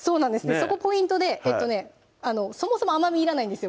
そこポイントでそもそも甘みいらないんですよ